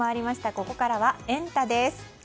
ここからはエンタ！です。